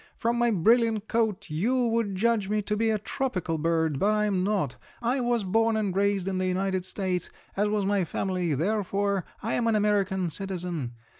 From my brilliant coat you would judge me to be a tropical bird, but I'm not. I was born and raised in the United States, as was my family, therefore I am an American citizen.